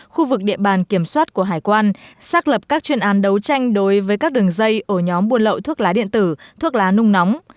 khu vực địa bàn kiểm soát của hải quan xác lập các chuyên án đấu tranh đối với các đường dây ổ nhóm buôn lậu thuốc lá điện tử thuốc lá nung nóng